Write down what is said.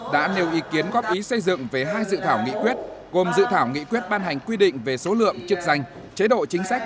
đã nêu ý kiến góp ý xây dựng về hai dự thảo nghị quyết gồm dự thảo nghị quyết ban hành quy định về số lượng chức danh chế độ chính sách